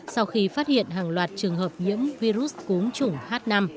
sau khi phát hiện hàng loạt trường hợp nhiễm virus cúm h năm